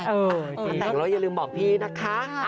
เออจริงแล้วอย่าลืมบอกพี่นะคะ